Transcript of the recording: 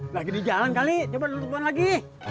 lagi di jalan kali coba telepon lagi